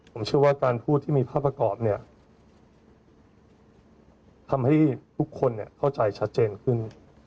ผมเชื่อว่าการพูดที่มีภาพประกอบเนี่ยทำให้ทุกคนเข้าใจชัดเจนขึ้น